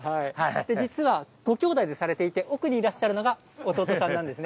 実はご兄弟でされていて、奥にいらっしゃるのが弟さんなんですね。